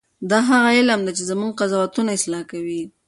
دا هغه علم دی چې زموږ قضاوتونه اصلاح کوي.